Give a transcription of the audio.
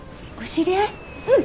うん。